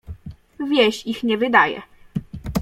"Wieś ich nie wydaje."